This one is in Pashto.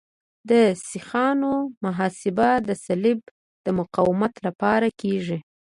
د سیخانو محاسبه د سلب د مقاومت لپاره کیږي